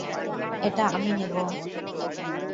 এটা আমি নেব।